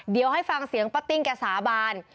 เดี๋ยวให้ฟังเสียงป้าติ้งแกสาบาน